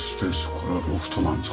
これはロフトなんですか？